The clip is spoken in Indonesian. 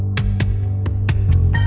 pasti bakal kebongkar